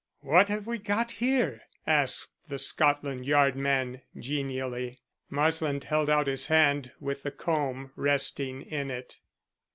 "What have we here?" asked the Scotland Yard man genially. Marsland held out his hand with the comb resting in it.